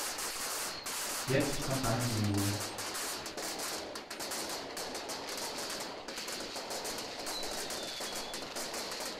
Jetzt kommt dein Solo.